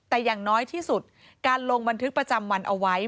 แต่อย่างน้อยที่สุดการลงบันทึกประจำวันเอาไว้